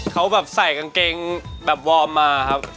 เขาแบบใส่กางเกงแบบวอร์มมาครับ